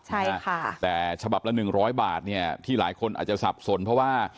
ใช่ค่ะแต่ฉบับละ๑๐๐บาทเนี่ยที่หลายคนอาจจะสับสนเพราะว่า